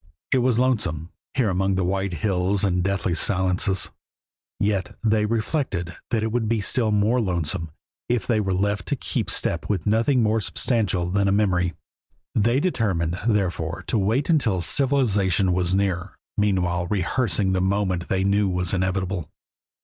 It was lonesome, here among the white hills and the deathly silences, yet they reflected that it would be still more lonesome if they were left to keep step with nothing more substantial than a memory. They determined, therefore, to wait until civilization was nearer, meanwhile rehearsing the moment they knew was inevitable.